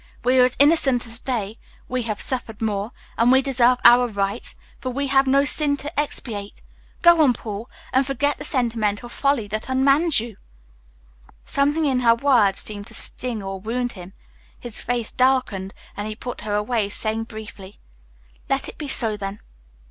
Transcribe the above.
We are as innocent as they; we have suffered more; and we deserve our rights, for we have no sin to expiate. Go on, Paul, and forget the sentimental folly that unmans you." Something in her words seemed to sting or wound him. His face darkened, and he put her away, saying briefly, "Let it be so then.